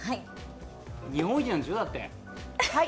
日本一なんでしょ、だって。